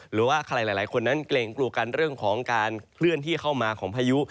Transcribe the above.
หรือว่าใครหลายคนนั้นเกรงกลัวกันเรื่องของการเคลื่อนที่เข้ามาของพายุ